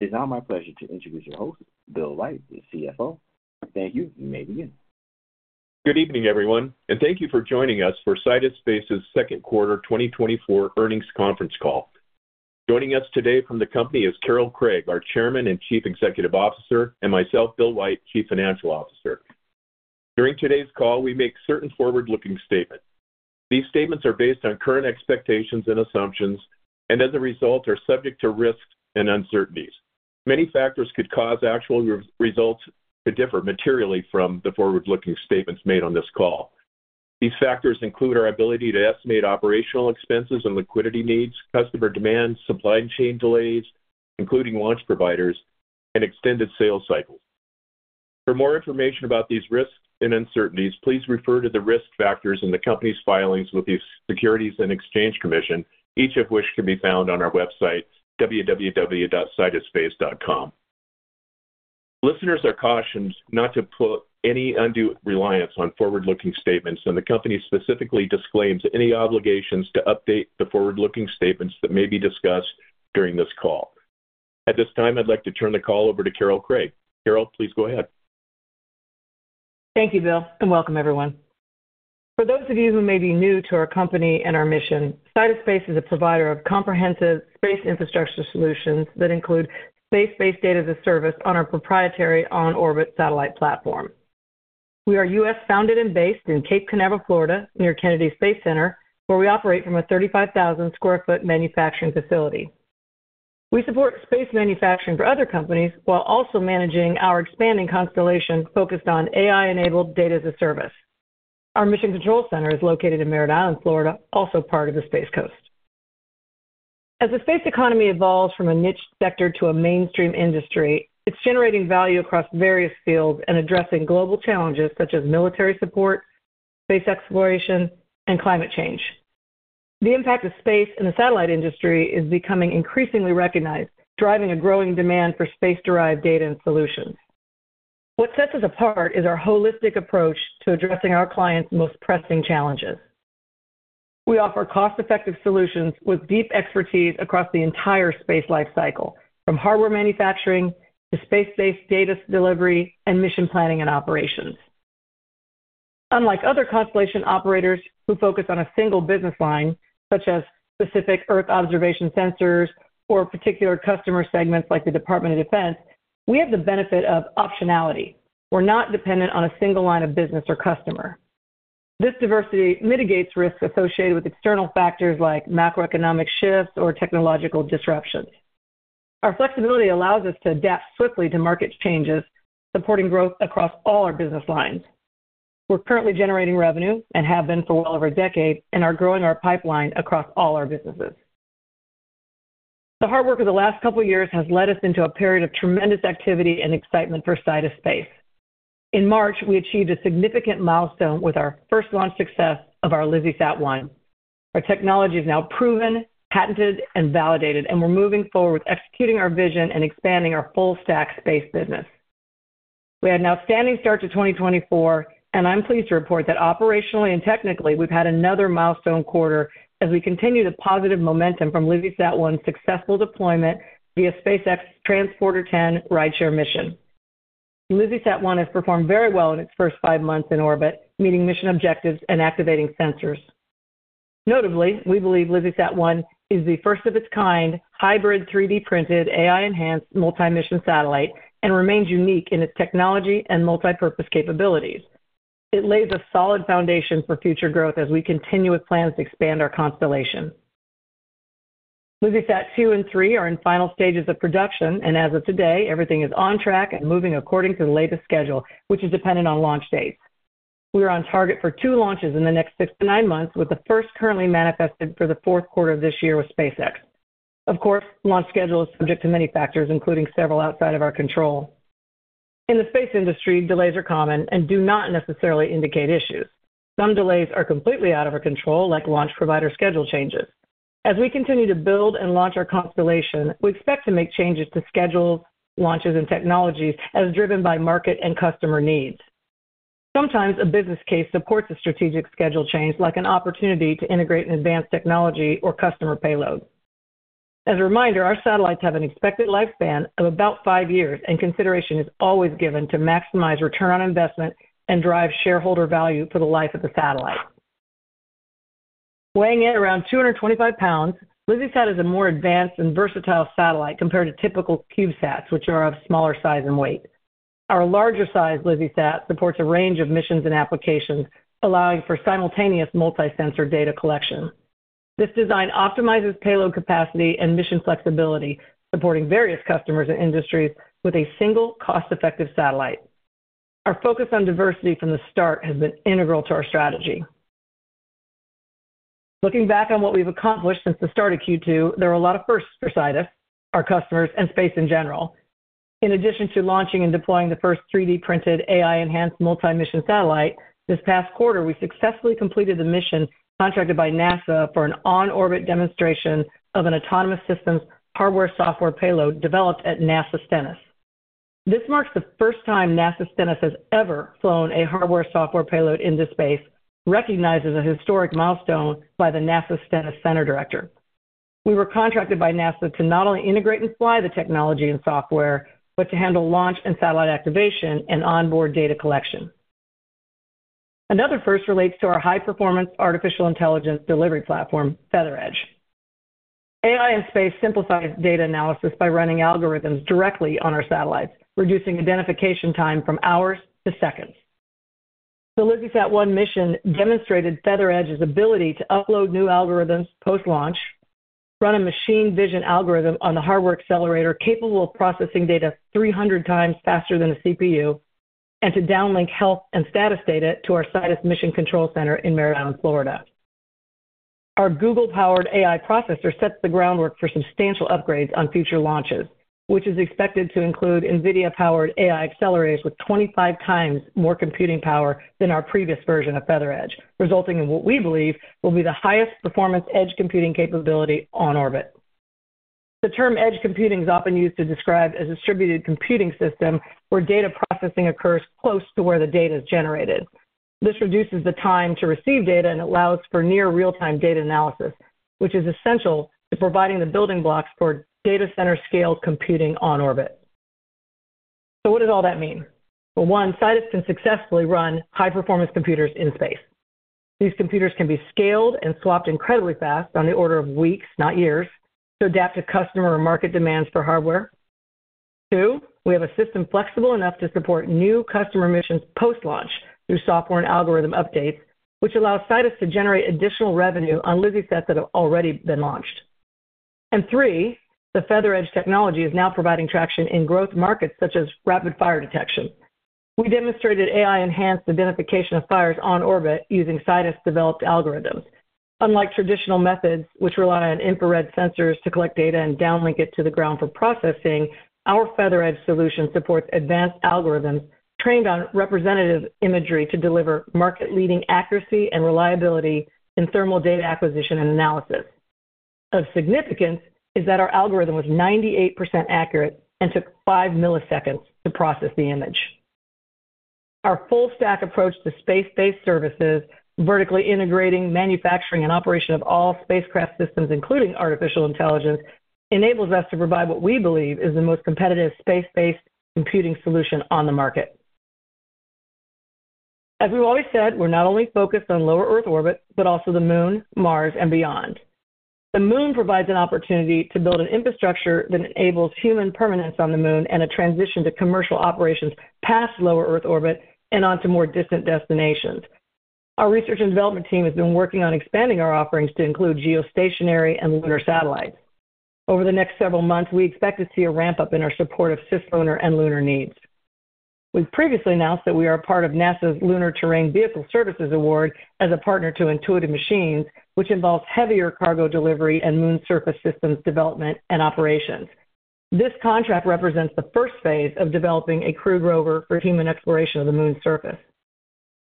It's now my pleasure to introduce your host, Bill White, the CFO. Thank you. You may begin. Good evening, everyone, and thank you for joining us for Sidus Space's Second Quarter 2024 Earnings Conference Call. Joining us today from the company is Carol Craig, our Chairman and Chief Executive Officer, and myself, Bill White, Chief Financial Officer. During today's call, we make certain forward-looking statements. These statements are based on current expectations and assumptions and, as a result, are subject to risks and uncertainties. Many factors could cause actual results to differ materially from the forward-looking statements made on this call. These factors include our ability to estimate operational expenses and liquidity needs, customer demand, supply chain delays, including launch providers and extended sales cycles. For more information about these risks and uncertainties, please refer to the risk factors in the company's filings with the Securities and Exchange Commission, each of which can be found on our website, www.sidusspace.com. Listeners are cautioned not to put any undue reliance on forward-looking statements, and the company specifically disclaims any obligations to update the forward-looking statements that may be discussed during this call. At this time, I'd like to turn the call over to Carol Craig. Carol, please go ahead. Thank you, Bill, and welcome everyone. For those of you who may be new to our company and our mission, Sidus Space is a provider of comprehensive space infrastructure solutions that include space-based data as a service on our proprietary on-orbit satellite platform. We are U.S.-founded and based in Cape Canaveral, Florida, near Kennedy Space Center, where we operate from a 35,000 sq ft manufacturing facility. We support space manufacturing for other companies while also managing our expanding constellation focused on AI-enabled Data as a Service. Our mission control center is located in Merritt Island, Florida, also part of the Space Coast. As the space economy evolves from a niche sector to a mainstream industry, it's generating value across various fields and addressing global challenges such as military support, space exploration, and climate change. The impact of space in the satellite industry is becoming increasingly recognized, driving a growing demand for space-derived data and solutions. What sets us apart is our holistic approach to addressing our clients' most pressing challenges. We offer cost-effective solutions with deep expertise across the entire space lifecycle, from hardware manufacturing to space-based data delivery and mission planning and operations. Unlike other constellation operators who focus on a single business line, such as specific Earth observation sensors or particular customer segments like the Department of Defense, we have the benefit of optionality. We're not dependent on a single line of business or customer. This diversity mitigates risks associated with external factors like macroeconomic shifts or technological disruptions. Our flexibility allows us to adapt swiftly to market changes, supporting growth across all our business lines. We're currently generating revenue and have been for well over a decade and are growing our pipeline across all our businesses. The hard work of the last couple of years has led us into a period of tremendous activity and excitement for Sidus Space. In March, we achieved a significant milestone with our first launch success of our LizzieSat-1. Our technology is now proven, patented, and validated, and we're moving forward with executing our vision and expanding our full stack space business. We had an outstanding start to 2024, and I'm pleased to report that operationally and technically, we've had another milestone quarter as we continue the positive momentum from LizzieSat-1's successful deployment via SpaceX Transporter-10 rideshare mission. LizzieSat-1 has performed very well in its first five months in orbit, meeting mission objectives and activating sensors. Notably, we believe LizzieSat-1 is the first of its kind, hybrid, 3D-printed, AI-enhanced, multi-mission satellite, and remains unique in its technology and multipurpose capabilities. It lays a solid foundation for future growth as we continue with plans to expand our constellation. LizzieSat-2 and Three are in final stages of production, and as of today, everything is on track and moving according to the latest schedule, which is dependent on launch dates. We are on target for two launches in the next six to nine months, with the first currently manifested for the fourth quarter of this year with SpaceX. Of course, launch schedule is subject to many factors, including several outside of our control. In the space industry, delays are common and do not necessarily indicate issues. Some delays are completely out of our control, like launch provider schedule changes. As we continue to build and launch our constellation, we expect to make changes to schedules, launches, and technologies as driven by market and customer needs. Sometimes a business case supports a strategic schedule change, like an opportunity to integrate an advanced technology or customer payload. As a reminder, our satellites have an expected lifespan of about five years, and consideration is always given to maximize return on investment and drive shareholder value for the life of the satellite. Weighing in around 225 lbs, LizzieSat is a more advanced and versatile satellite compared to typical CubeSats, which are of smaller size and weight. Our larger size, LizzieSat, supports a range of missions and applications, allowing for simultaneous multi-sensor data collection. This design optimizes payload capacity and mission flexibility, supporting various customers and industries with a single cost-effective satellite. Our focus on diversity from the start has been integral to our strategy. Looking back on what we've accomplished since the start of Q2, there are a lot of firsts for Sidus, our customers, and space in general. In addition to launching and deploying the first 3D-printed AI-enhanced multi-mission satellite, this past quarter, we successfully completed the mission contracted by NASA for an on-orbit demonstration of an autonomous systems hardware-software payload developed at Stennis Space Center. This marks the first time Stennis Space Center has ever flown a hardware-software payload into space, recognized as a historic milestone by the Stennis Space Center Director. We were contracted by NASA to not only integrate and fly the technology and software, but to handle launch and satellite activation and onboard data collection. Another first relates to our high-performance artificial intelligence delivery platform, FeatherEdge. AI in space simplifies data analysis by running algorithms directly on our satellites, reducing identification time from hours to seconds. The LizzieSat-1 mission demonstrated FeatherEdge's ability to upload new algorithms post-launch, run a machine vision algorithm on the hardware accelerator, capable of processing data 300x faster than a CPU, and to downlink health and status data to our Sidus Mission Control Center in Merritt Island, Florida. Our Google-powered AI processor sets the groundwork for substantial upgrades on future launches, which is expected to include NVIDIA-powered AI accelerators with 25x more computing power than our previous version of FeatherEdge, resulting in what we believe will be the highest performance edge computing capability on orbit. The term edge computing is often used to describe a distributed computing system where data processing occurs close to where the data is generated. This reduces the time to receive data and allows for near real-time data analysis, which is essential to providing the building blocks for data center-scale computing on orbit. So what does all that mean? For one, Sidus can successfully run high-performance computers in space. These computers can be scaled and swapped incredibly fast, on the order of weeks, not years, to adapt to customer or market demands for hardware. Two, we have a system flexible enough to support new customer missions post-launch through software and algorithm updates, which allows Sidus to generate additional revenue on LizzieSat that have already been launched. And three, the FeatherEdge technology is now providing traction in growth markets such as rapid fire detection. We demonstrated AI-enhanced identification of fires on orbit using Sidus-developed algorithms. Unlike traditional methods, which rely on infrared sensors to collect data and downlink it to the ground for processing, our FeatherEdge solution supports advanced algorithms trained on representative imagery to deliver market-leading accuracy and reliability in thermal data acquisition and analysis. Of significance is that our algorithm was 98% accurate and took five milliseconds to process the image. Our full-stack approach to space-based services, vertically integrating, manufacturing, and operation of all spacecraft systems, including artificial intelligence, enables us to provide what we believe is the most competitive space-based computing solution on the market. As we've always said, we're not only focused on Low Earth Orbit, but also the Moon, Mars, and beyond. The Moon provides an opportunity to build an infrastructure that enables human permanence on the Moon and a transition to commercial operations past Low Earth Orbit and onto more distant destinations. Our research and development team has been working on expanding our offerings to include geostationary and lunar satellites. Over the next several months, we expect to see a ramp-up in our support of GEO owner and lunar needs. We've previously announced that we are a part of NASA's Lunar Terrain Vehicle Services Award as a partner to Intuitive Machines, which involves heavier cargo delivery and Moon surface systems development and operations. This contract represents the first phase of developing a crew rover for human exploration of the Moon's surface.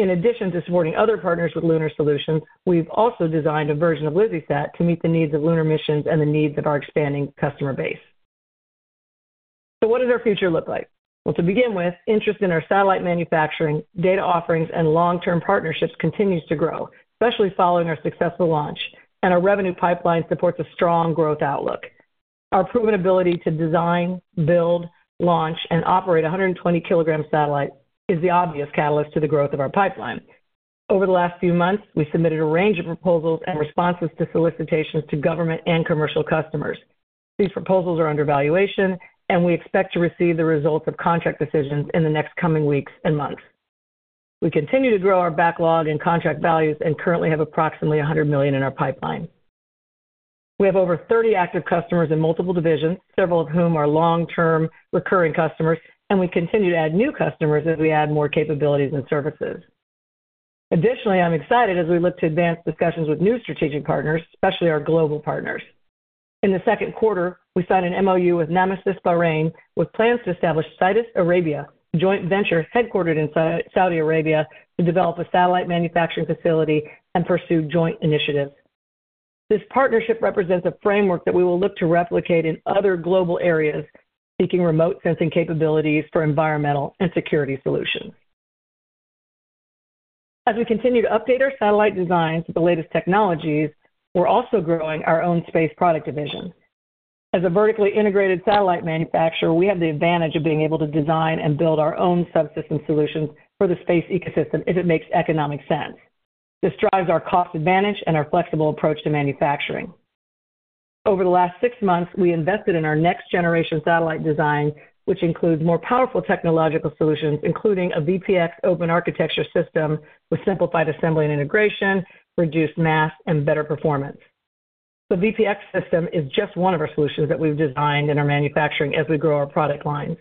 In addition to supporting other partners with lunar solutions, we've also designed a version of LizzieSat to meet the needs of lunar missions and the needs of our expanding customer base. So what does our future look like? To begin with, interest in our satellite manufacturing, data offerings, and long-term partnerships continues to grow, especially following our successful launch, and our revenue pipeline supports a strong growth outlook. Our proven ability to design, build, launch, and operate a 120 kg satellite is the obvious catalyst to the growth of our pipeline. Over the last few months, we submitted a range of proposals and responses to solicitations to government and commercial customers. These proposals are under evaluation, and we expect to receive the results of contract decisions in the next coming weeks and months. We continue to grow our backlog and contract values and currently have approximately $100 million in our pipeline. We have over 30 active customers in multiple divisions, several of whom are long-term recurring customers, and we continue to add new customers as we add more capabilities and services. Additionally, I'm excited as we look to advance discussions with new strategic partners, especially our global partners. In the second quarter, we signed an MOU with NamaSys Bahrain, with plans to establish Sidus Arabia, a joint venture headquartered in Saudi Arabia, to develop a satellite manufacturing facility and pursue joint initiatives. This partnership represents a framework that we will look to replicate in other global areas, seeking remote sensing capabilities for environmental and security solutions. As we continue to update our satellite designs with the latest technologies, we're also growing our own space product division. As a vertically integrated satellite manufacturer, we have the advantage of being able to design and build our own subsystem solutions for the space ecosystem if it makes economic sense. This drives our cost advantage and our flexible approach to manufacturing. Over the last six months, we invested in our next-generation satellite design, which includes more powerful technological solutions, including a VPX open architecture system with simplified assembly and integration, reduced mass, and better performance. The VPX system is just one of our solutions that we've designed and are manufacturing as we grow our product lines.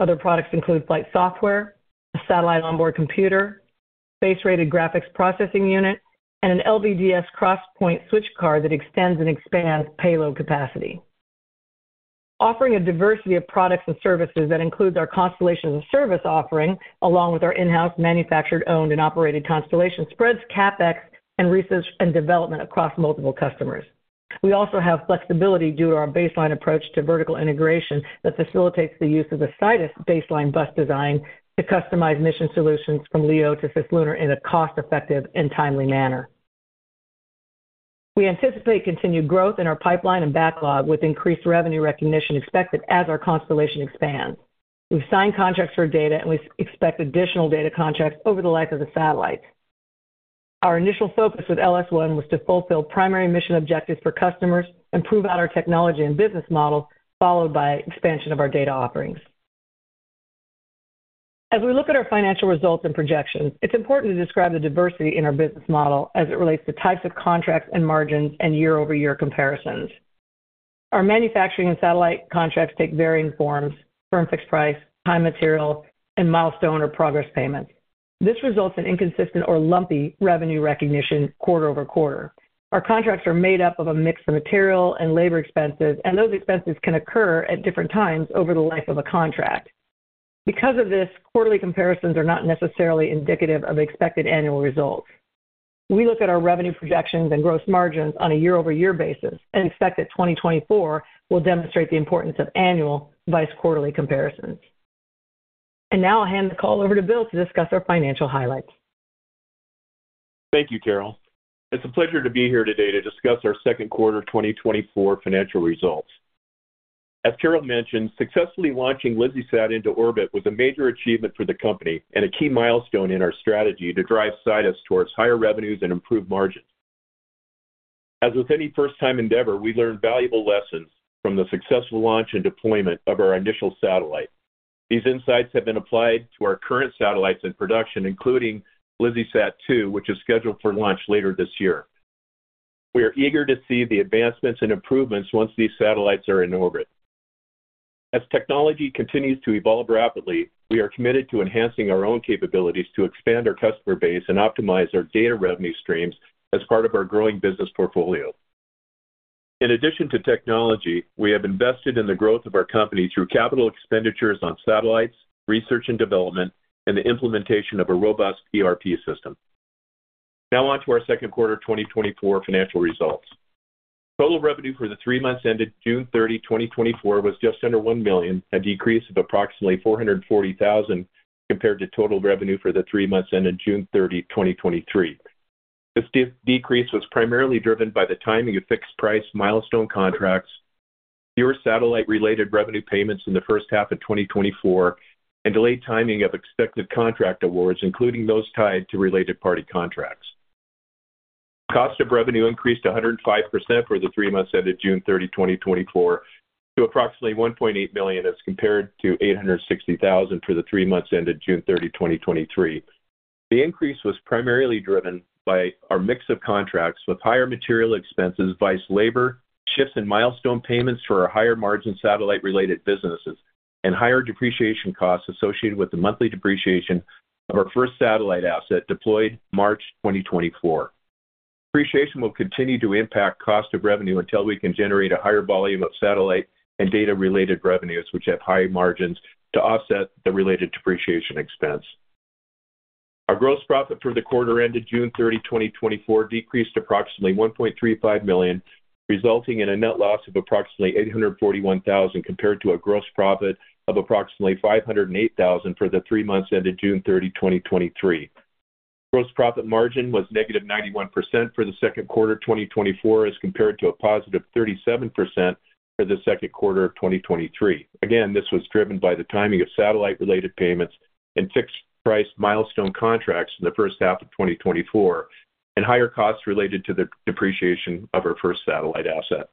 Other products include flight software, a satellite onboard computer, space-rated graphics processing unit, and an LVDS cross-point switch card that extends and expands payload capacity. Offering a diversity of products and services that includes our constellations service offering, along with our in-house manufactured, owned, and operated constellation, spreads CapEx and research and development across multiple customers. We also have flexibility due to our baseline approach to vertical integration that facilitates the use of the Sidus baseline bus design to customize mission solutions from LEO to Cislunar in a cost-effective and timely manner. We anticipate continued growth in our pipeline and backlog, with increased revenue recognition expected as our constellation expands. We've signed contracts for data, and we expect additional data contracts over the life of the satellites. Our initial focus with LS-1 was to fulfill primary mission objectives for customers and prove out our technology and business model, followed by expansion of our data offerings. As we look at our financial results and projections, it's important to describe the diversity in our business model as it relates to types of contracts and margins and year-over-year comparisons. Our manufacturing and satellite contracts take varying forms: firm fixed price, time material, and milestone or progress payments. This results in inconsistent or lumpy revenue recognition quarter over quarter. Our contracts are made up of a mix of material and labor expenses, and those expenses can occur at different times over the life of a contract. Because of this, quarterly comparisons are not necessarily indicative of expected annual results. We look at our revenue projections and gross margins on a year-over-year basis and expect that 2024 will demonstrate the importance of annual versus quarterly comparisons. And now I'll hand the call over to Bill to discuss our financial highlights. Thank you, Carol. It's a pleasure to be here today to discuss our second quarter 2024 financial results. As Carol mentioned, successfully launching LizzieSat into orbit was a major achievement for the company and a key milestone in our strategy to drive Sidus towards higher revenues and improved margins. As with any first-time endeavor, we learned valuable lessons from the successful launch and deployment of our initial satellite. These insights have been applied to our current satellites in production, including LizzieSat-2, which is scheduled for launch later this year. We are eager to see the advancements and improvements once these satellites are in orbit. As technology continues to evolve rapidly, we are committed to enhancing our own capabilities to expand our customer base and optimize our data revenue streams as part of our growing business portfolio. In addition to technology, we have invested in the growth of our company through capital expenditures on satellites, research and development, and the implementation of a robust ERP system. Now on to our second quarter 2024 financial results. Total revenue for the three months ended June 30, 2024, was just under $1 million, a decrease of approximately $440,000 compared to total revenue for the three months ended June 30, 2023. This decrease was primarily driven by the timing of fixed-price milestone contracts, fewer satellite-related revenue payments in the first half of 2024, and delayed timing of expected contract awards, including those tied to related party contracts. Cost of revenue increased 105% for the three months ended June 30, 2024, to approximately $1.8 million, as compared to $860,000 for the three months ended June 30, 2023. The increase was primarily driven by our mix of contracts with higher material expenses versus labor, shifts in milestone payments for our higher-margin satellite-related businesses, and higher depreciation costs associated with the monthly depreciation of our first satellite asset deployed March 2024. Depreciation will continue to impact cost of revenue until we can generate a higher volume of satellite and data-related revenues, which have higher margins to offset the related depreciation expense. Our gross profit for the quarter ended June 30, 2024, decreased approximately $1.35 million, resulting in a net loss of approximately $841,000, compared to a gross profit of approximately $508,000 for the three months ended June 30, 2023. Gross profit margin was negative 91% for the second quarter 2024, as compared to a positive 37% for the second quarter of 2023. Again, this was driven by the timing of satellite-related payments and fixed-price milestone contracts in the first half of 2024, and higher costs related to the depreciation of our first satellite asset.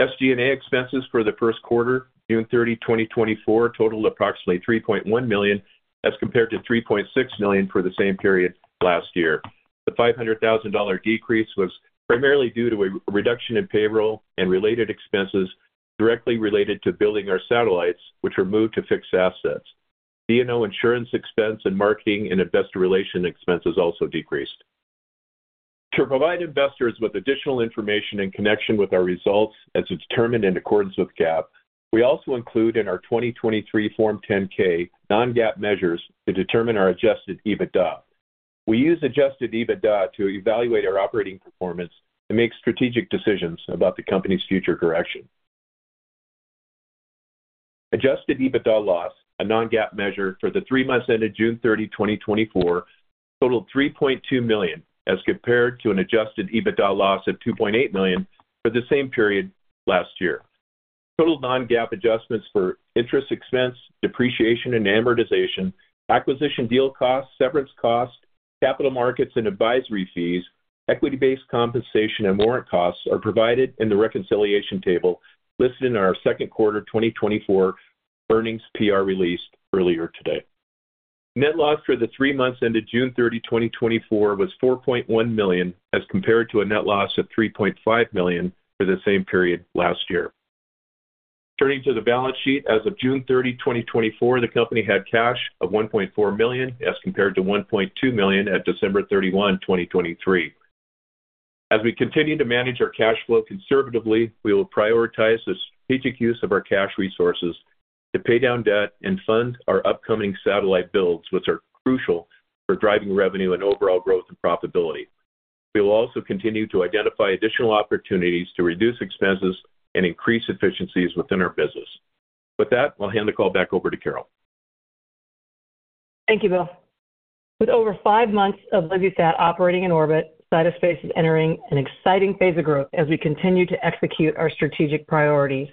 SG&A expenses for the first quarter, June 30, 2024, totaled approximately $3.1 million, as compared to $3.6 million for the same period last year. The $500,000 decrease was primarily due to a reduction in payroll and related expenses directly related to building our satellites, which were moved to fixed assets. D&O insurance expense and marketing and investor relations expenses also decreased. To provide investors with additional information in connection with our results as determined in accordance with GAAP, we also include in our 2023 Form 10-K non-GAAP measures to determine our adjusted EBITDA. We use adjusted EBITDA to evaluate our operating performance and make strategic decisions about the company's future direction. Adjusted EBITDA loss, a non-GAAP measure for the three months ended June 30, 2024, totaled $3.2 million, as compared to an adjusted EBITDA loss of $2.8 million for the same period last year. Total non-GAAP adjustments for interest expense, depreciation and amortization, acquisition deal costs, severance costs, capital markets and advisory fees, equity-based compensation, and warrant costs are provided in the reconciliation table listed in our second quarter 2024 earnings PR release earlier today. Net loss for the three months ended June 30, 2024, was $4.1 million, as compared to a net loss of $3.5 million for the same period last year. Turning to the balance sheet, as of June 30, 2024, the company had cash of $1.4 million, as compared to $1.2 million at December 31, 2023. As we continue to manage our cash flow conservatively, we will prioritize the strategic use of our cash resources to pay down debt and fund our upcoming satellite builds, which are crucial for driving revenue and overall growth and profitability. We will also continue to identify additional opportunities to reduce expenses and increase efficiencies within our business. With that, I'll hand the call back over to Carol. Thank you, Bill. With over five months of LizzieSat operating in orbit, Sidus Space is entering an exciting phase of growth as we continue to execute our strategic priorities.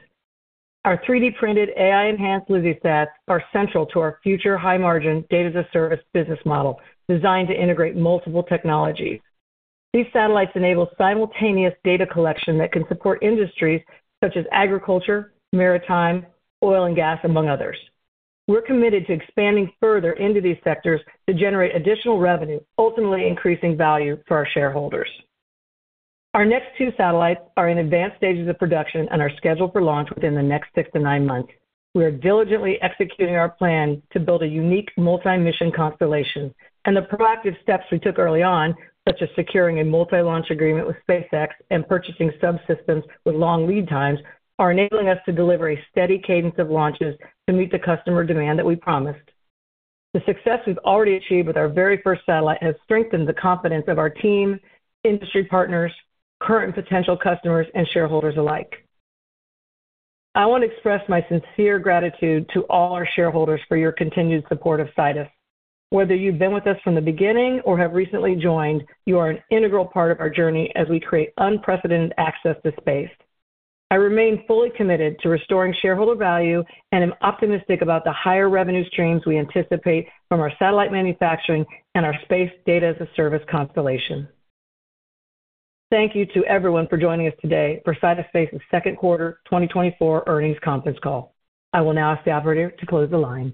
Our 3D-printed AI-enhanced LizzieSats are central to our future high-margin data-as-a-service business model, designed to integrate multiple technologies. These satellites enable simultaneous data collection that can support industries such as agriculture, maritime, oil and gas, among others. We're committed to expanding further into these sectors to generate additional revenue, ultimately increasing value for our shareholders. Our next two satellites are in advanced stages of production and are scheduled for launch within the next six to nine months. We are diligently executing our plan to build a unique multi-mission constellation, and the proactive steps we took early on, such as securing a multi-launch agreement with SpaceX and purchasing subsystems with long lead times, are enabling us to deliver a steady cadence of launches to meet the customer demand that we promised. The success we've already achieved with our very first satellite has strengthened the confidence of our team, industry partners, current and potential customers, and shareholders alike. I want to express my sincere gratitude to all our shareholders for your continued support of Sidus. Whether you've been with us from the beginning or have recently joined, you are an integral part of our journey as we create unprecedented access to space. I remain fully committed to restoring shareholder value and am optimistic about the higher revenue streams we anticipate from our satellite manufacturing and our space data-as-a-service constellation. Thank you to everyone for joining us today for Sidus Space's second quarter 2024 earnings conference call. I will now ask the operator to close the line.